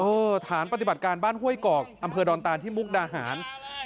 ฐานปฏิบัติการบ้านห้วยกอกอำเภอดอนตานที่มุกดาหาร